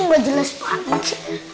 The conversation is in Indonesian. nggak jelas banget sih